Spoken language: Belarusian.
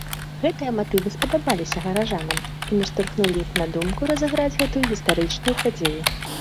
Гэтыя матывы спадабаліся гараджанам і наштурхнулі іх на думку разыграць гэту гістарычную падзею.